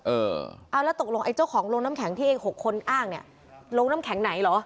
เออเอาแล้วตกลงไอ้เจ้าของโรงน้ำแข็งที่เอง๖คนอ้างเนี่ยโรงน้ำแข็งไหนเหรอ